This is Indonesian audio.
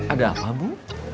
ada apa bu